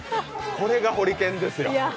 これがホリケンですよ。